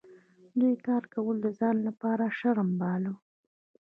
دوی کار کول د ځان لپاره شرم باله.